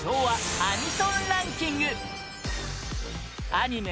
アニメ